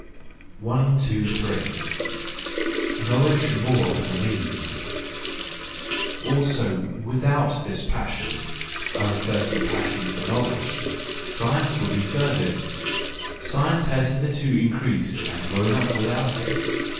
123. Knowledge more than a Means. —Also without this passion—I refer to the passion for knowledge —science would be furthered : science has hitherto increased and grown up without it.